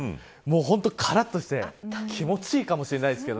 からっとして気持ちいいかもしれないですね。